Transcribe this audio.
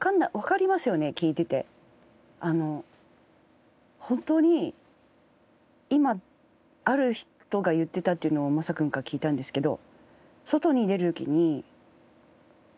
あの本当に今ある人が言ってたっていうのをマサ君から聞いたんですけど。